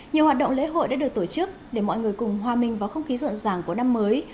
nhiều hoạt động lễ hội đã được tổ chức để mọi người cùng hòa minh vào không khí rộn ràng của năm mới